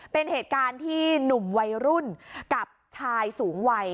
เป็นเหตุการณ์ที่หนุ่มวัยรุ่นกับชายสูงวัย